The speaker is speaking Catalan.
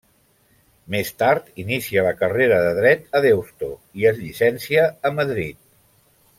Més tard, inicia la carrera de dret a Deusto i es llicencia a Madrid.